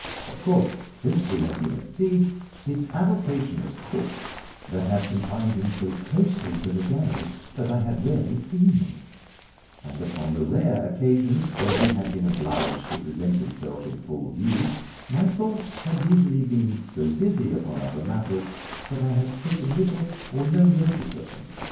Of course, since we had been at sea, his avocation as cook had confined him so closely to the galley that I had rarely seen him; and upon the rare occasions when he had been obliged to present himself in full view my thoughts had usually been so busy upon other matters that I had taken little or no notice of him.